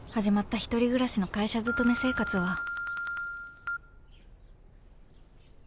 ［始まった１人暮らしの会社勤め生活は］